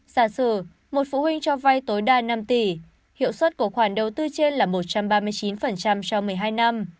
xa sử một phụ huynh cho vay tối đa năm tỷ hiệu suất của khoản đầu tư trên là một trăm ba mươi chín trong một mươi hai năm